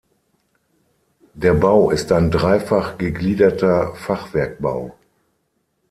Der Bau ist ein dreifach gegliederter Fachwerkbau.